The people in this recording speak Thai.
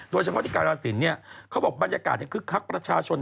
โดยเฉพาะที่การาศิลป์เขาบอกบรรยากาศคึกคักประชาชน